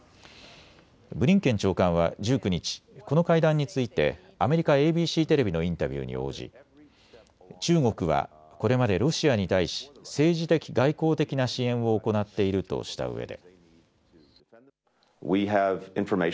ブリンケン長官は１９日、この会談についてアメリカＡＢＣテレビのインタビューに応じ、中国はこれまでロシアに対し政治的、外交的な支援を行っているとしたうえで。